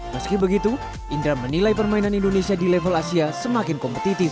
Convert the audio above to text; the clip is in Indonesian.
meski begitu indra menilai permainan indonesia di level asia semakin kompetitif